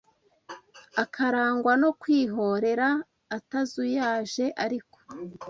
akarangwa no kwihōrera atazuyaje ariko